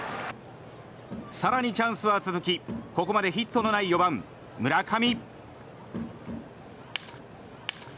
更にチャンスは続きここまでヒットのない４番、村上。